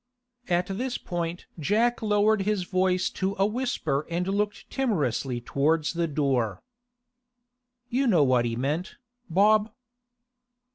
At this point Jack lowered his voice to a whisper and looked timorously towards the door. 'You know what he meant, Bob?